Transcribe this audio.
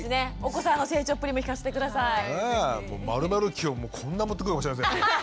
○○期をこんな持ってくるかもしれません。